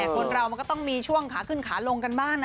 คนเรามันก็ต้องมีช่วงขาขึ้นขาลงกันบ้างนะ